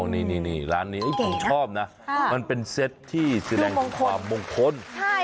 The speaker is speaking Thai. นี่ร้านนี้ผมชอบนะมันเป็นเซตที่แสดงถึงความมงคล